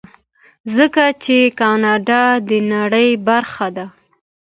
ځکه چې کاناډا د نړۍ برخه ده.